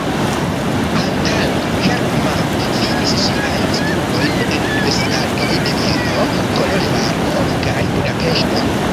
Antal Herrmann finis siajn studojn en universitatoj de Vieno, Koloĵvaro kaj Budapeŝto.